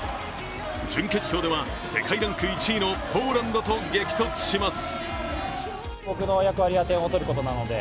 準決勝では世界ランク１位のポーランドと激突します！